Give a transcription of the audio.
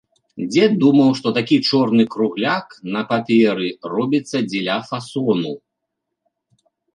Дзед думаў, што такі чорны кругляк на паперы робіцца дзеля фасону.